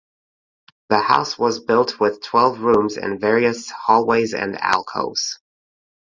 The house was built with twelve rooms and various hallways and alcoves.